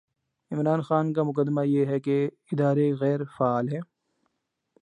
عمران خان کا مقدمہ یہ ہے کہ ادارے غیر فعال ہیں۔